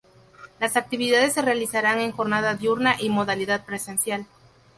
Las actividades se realizarán en jornada diurna y modalidad presencial.